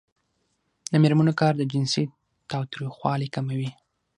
د میرمنو کار د جنسي تاوتریخوالي کموي.